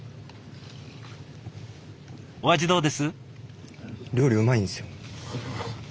お味どうです？